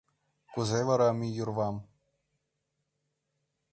— Кузе вара мӱйурвам?